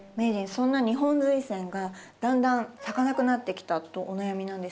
そんなニホンズイセンがだんだん咲かなくなってきたとお悩みなんですけど。